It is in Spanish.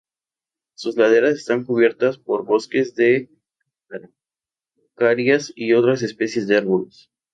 Sus laderas están cubiertas por bosques de araucarias y otras especies de árboles.